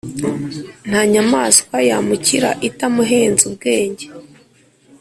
nta nyamaswa yamukira itamuhenze ubwenge.